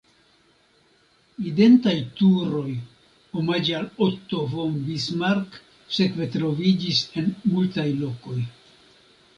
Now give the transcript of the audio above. Identaj turoj omaĝe al Otto von Bismarck sekve troviĝis en multaj lokoj.